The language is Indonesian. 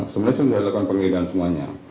sebenarnya sudah dilakukan penggeledahan semuanya